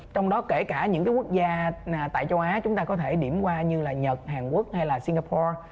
trong đó kể cả những quốc gia tại châu á chúng ta có thể điểm qua như là nhật hàn quốc hay là singapore